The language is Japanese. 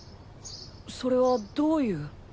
それはどういう？